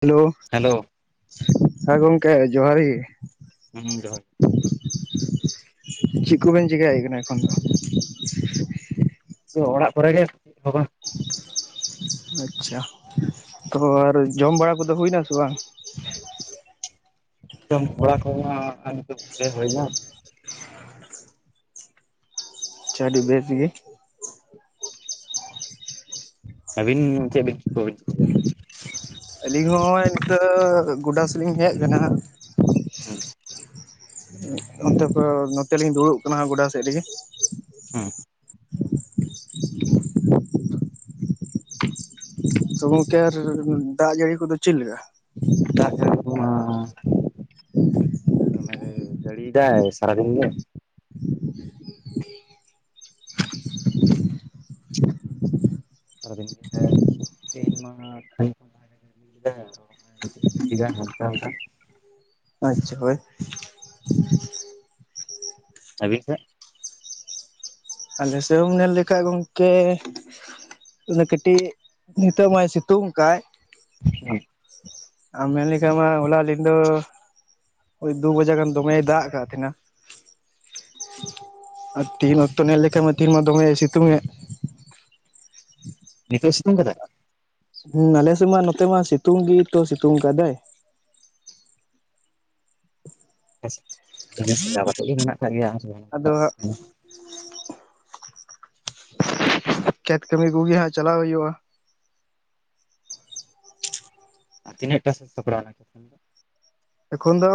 hello hello ᱦᱮᱸ ᱜᱚᱢᱠᱮ ᱡᱚᱦᱟᱨ ᱜᱮ ᱦᱩᱸ ᱡᱚᱦᱟᱨ ᱪᱮᱫ ᱠᱚᱵᱮᱱ ᱪᱮᱤᱠᱟᱭᱮᱫ ᱠᱟᱱᱟ ᱮᱠᱷᱚᱱ ᱫᱚ ᱚᱲᱟᱜ ᱠᱚᱨᱮ ᱜᱮ [unintelligible] ᱵᱟᱝ ᱟᱪᱪᱷᱟ ᱛᱚ ᱟᱨ ᱡᱚᱢ ᱵᱟᱲᱟ ᱠᱚᱫᱚ ᱦᱩᱭᱱᱟ ᱥᱮ ᱵᱟᱝ [unintelligible] ᱦᱩᱭ ᱱᱟ ᱟᱹᱰᱤ ᱵᱮᱥ ᱜᱮ ᱟᱹᱵᱤᱱ ᱪᱮᱫ ᱵᱮᱱ ᱪᱤᱠᱟᱹᱭᱮᱫ ᱠᱚ ᱟᱹᱞᱤᱧ ᱦᱚᱸ ᱱᱤᱱᱠᱟᱹ ᱜᱚᱰᱟᱥᱮᱞᱤᱧ ᱦᱮᱡ ᱠᱟᱱᱟᱜ ᱦᱮᱸ ᱚᱱᱛᱮ ᱠᱚ ᱱᱚᱛᱮ ᱞᱤᱧ ᱫᱩᱲᱩᱵ ᱠᱟᱱᱟ ᱜᱚᱰᱟ ᱥᱮᱫ ᱨᱮᱜᱮ ᱦᱮᱸ ᱛᱚ ᱜᱚᱢᱠᱮ ᱟᱨ ᱫᱟᱜ ᱡᱟᱹᱲᱤ ᱠᱚᱫᱚ ᱪᱮᱫ ᱞᱮᱠᱟ ᱫᱟᱜ ᱡᱟᱹᱲᱤ ᱛ ᱡᱟᱹᱲᱤᱭ ᱫᱟᱭ ᱥᱟᱨᱟ ᱜᱷᱟᱲᱤ ᱜᱮ ᱥᱟᱨᱟ ᱜᱮ ᱛᱦᱤᱧ ᱢᱟ [unintelligible] [unintelligible] ᱡᱟᱲᱤᱭᱫᱟ ᱦᱟᱞᱠᱟ ᱦᱟᱞᱠᱟ ᱟᱪᱪᱷᱟ ᱦᱳᱭ ᱟᱵᱮᱱ ᱥᱮ ᱟᱞᱮ ᱥᱮᱫ ᱦᱚᱸᱢ ᱧᱮᱞ ᱞᱮᱠᱷᱟᱡ ᱜᱚᱢᱠᱮ ᱠᱟᱹᱴᱤᱡ ᱱᱤᱛᱟᱹᱜ ᱢᱟᱭ ᱥᱤᱛᱩᱝ ᱠᱟᱭᱜ ᱦᱮᱸ ᱟᱢ ᱢᱮᱱᱞᱮᱠᱷᱟᱡ ᱢᱟ ᱦᱚᱞᱟ ᱧᱤᱫᱟ ᱫᱚ ᱳᱭ ᱫᱩ ᱵᱟᱡᱟᱜ ᱜᱟᱱ ᱫᱚᱢᱮᱭ ᱫᱟᱜ ᱟᱠᱟᱫ ᱛᱟᱦᱮᱱᱟ ᱟᱨ ᱛᱤᱦᱤᱱ ᱚᱠᱛᱚ ᱧᱮᱞ ᱞᱮᱠᱷᱟᱱ ᱢᱟ ᱛᱤᱦᱤᱱ ᱢᱟ ᱫᱚᱢᱮ ᱥᱤᱛᱩᱝ ᱮᱫ ᱱᱤᱛᱚᱜ ᱥᱤᱛᱩᱝ ᱟᱠᱟᱫᱟᱭ ᱦᱮᱸ ᱟᱞᱮᱥᱮᱫ ᱢᱟ ᱱᱚᱛᱮ ᱢᱟ ᱥᱤᱛᱩᱝ ᱜᱮ ᱥᱤᱛᱩᱝ ᱟᱠᱟᱫᱟᱭ ᱟᱪᱪᱷᱟ ᱤᱱᱟᱹ ᱥᱟᱦᱟᱣ ᱠᱟᱛᱮᱫ ᱢᱮᱱᱟᱜ ᱟᱠᱟᱫ ᱜᱮᱭᱟ ᱟᱫᱚ ᱦᱟᱸᱜ ᱠᱷᱮᱛ ᱠᱟᱹᱢᱤ ᱠᱚᱜᱮ ᱦᱟᱸᱜ ᱪᱟᱞᱟᱣ ᱦᱩᱭᱩᱜᱼᱟ ᱟᱨ ᱛᱤᱱᱟᱹᱜ ᱴᱟᱜ ᱥᱟᱹᱫᱽ ᱥᱟᱯᱟᱲᱟᱣ ᱚᱱᱟ ᱪᱮᱛᱟᱱ ᱫᱚ ᱮᱠᱷᱚᱱ ᱫᱚ